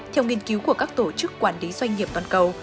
theo nghiên cứu của các tổ chức quản lý doanh nghiệp toàn cầu